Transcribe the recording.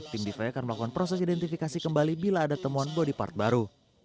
tim dvi akan melakukan proses identifikasi kembali bila ada temuan body part baru